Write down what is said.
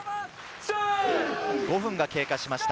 ５分が経過しました。